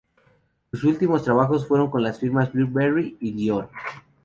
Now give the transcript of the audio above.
Sus últimos trabajos fueron con las firmas Burberry y Dior.